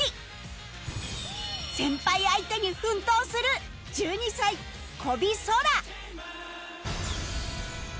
先輩相手に奮闘する１２歳小尾颯